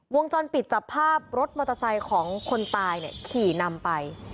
วงจรปิดจับภาพรถมอเตอร์ไซค์ของคนตายเนี่ยขี่นำไป